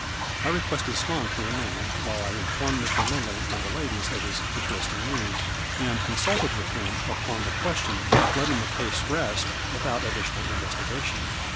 I requested Sloane to remain while I informed Mr. Lindley and the ladies of his interesting news, and consulted with them upon the ques tion of letting the case rest without additional investigation.